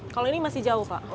kalau ini masih jauh pak